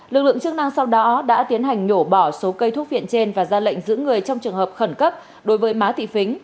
lực lượng chức năng sau đó đã tiến hành nhổ bỏ số cây thuốc viện trên và ra lệnh giữ người trong trường hợp khẩn cấp đối với má thị